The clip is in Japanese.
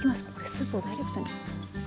スープをダイレクトに。